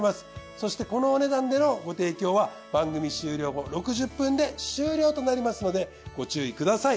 そしてこのお値段でのご提供は番組終了後６０分で終了となりますのでご注意ください。